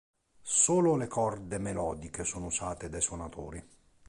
Solo le corde melodiche sono usate dai suonatori.